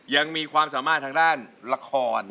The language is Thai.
ยังมีความสามารถทางด้านละคร